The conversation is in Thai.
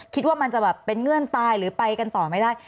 คิดว่ามันจะแบบเป็นเงื่อนตายหรือไปกันต่อไม่ได้